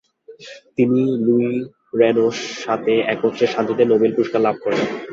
তিনি লুই র্যনো-র সাথে একত্রে শান্তিতে নোবেল পুরস্কার লাভ করেন।